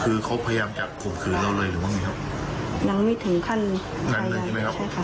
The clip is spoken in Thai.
คือเขาพยายามจับขวบคือเราเลยหรือไม่มีครับยังไม่ถึงขั้นยังไม่ถึงใช่ค่ะ